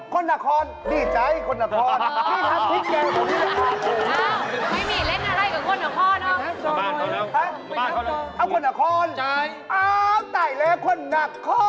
คนนาคคอนเดี๋ยวชัยคนนาคคอน